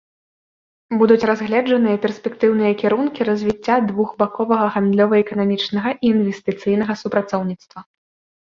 Будуць разгледжаныя перспектыўныя кірункі развіцця двухбаковага гандлёва-эканамічнага і інвестыцыйнага супрацоўніцтва.